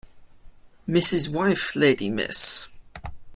Mrs. wife lady Miss